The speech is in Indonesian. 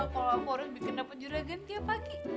kalau aku harus bikin dapet juragan tiap pagi